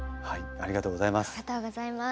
ありがとうございます。